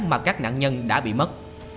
mà các nạn nhân đã bị mất